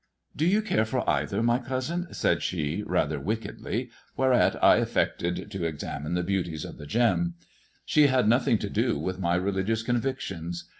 " Do you care for either, my cousin 1 " said she, rather 374 MY COUSIN FROM FRANCE wickedly, whereat I affected to examine the beauties of the gem. She had nothing to do with my religious convictions.